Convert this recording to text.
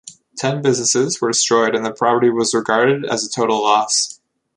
Ten businesses were destroyed and the property was regarded as a total loss.